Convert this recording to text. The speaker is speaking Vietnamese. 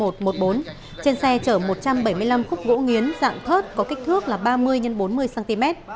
trên xe chở một trăm bảy mươi năm khúc gỗ nghiến dạng thớt có kích thước là ba mươi x bốn mươi cm